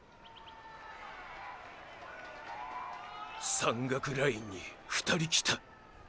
山岳ラインに２人来た。